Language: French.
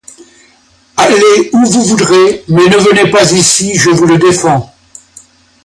Allez où vous voudrez, mais ne venez pas ici, je vous le défends!